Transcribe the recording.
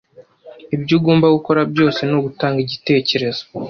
Ibyo ugomba gukora byose ni ugutanga igitekerezo.